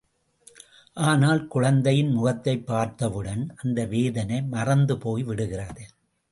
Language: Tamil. ஆனால் குழந்தையின் முகத்தைப் பார்த்தவுடன் அந்த வேதனை மறந்து போய்விடுகிறது.